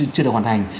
chưa được hoàn thành